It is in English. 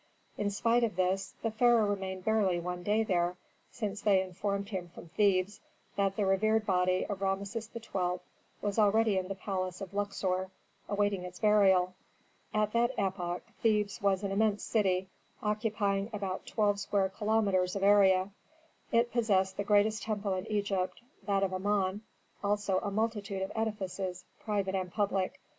In spite of this, the pharaoh remained barely one day there, since they informed him from Thebes that the revered body of Rameses XII. was already in the palace of Luxor awaiting its burial. At that epoch Thebes was an immense city occupying about twelve square kilometres of area. It possessed the greatest temple in Egypt: that of Amon, also a multitude of edifices, private and public.